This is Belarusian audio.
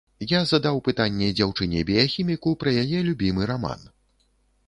Я задаў пытанне дзяўчыне-біяхіміку пра яе любімы раман.